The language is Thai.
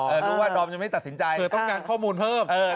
รู้ว่าดอมยังไม่ตัดสินใจคือต้องการข้อมูลเพิ่ม